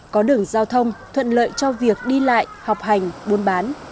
có đường giao thông thuận lợi cho việc đi lại học hành buôn bán